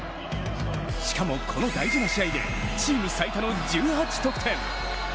しかも、この大事な試合でチーム最多の１８得点。